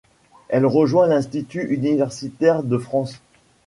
Elle rejoint l'Institut universitaire de France.